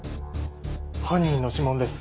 犯人の指紋です。